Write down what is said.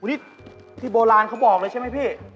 นี่ที่โบราณเขาบอกเลยใช่ไหมพี่